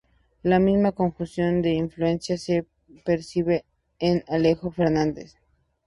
La misma conjunción de influencias se percibe en Alejo Fernández.